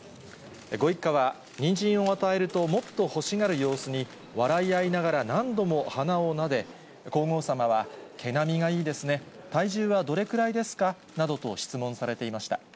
ご一家は、ニンジンを与えると、もっと欲しがる様子に、笑い合いながら、何度も鼻をなで、皇后さまは毛並みがいいですね、体重はどれくらいですか？などと質問されていました。